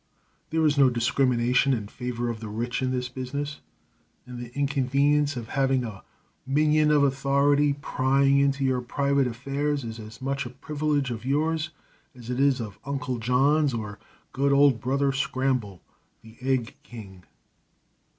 There is no discrimination in favor of the rich in this business, and the inconvenience of having a minion of authority prying into your private affairs is as much a privilege of yours as it is of Uncle John's, or good old Brother Scramble, the Egg King.